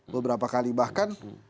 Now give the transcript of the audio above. beberapa kali bahkan